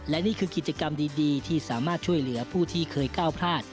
และนี่คือกิจกรรมดีที่สามารถช่วยเหลือผู้ที่เคยก้าวพลาด